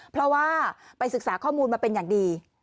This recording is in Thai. เพราะว่าไปศึกษาข้อมูลมาเป็นอย่างดี